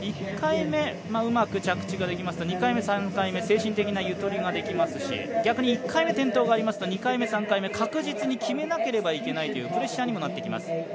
１回目、うまく着地ができますと、２回目、３回目精神的なゆとりができますし逆に１回目、転倒がありますと２回目、３回目、確実に決めなければいけないというプレッシャーにもなってきます。